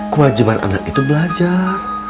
kewajiban anak itu belajar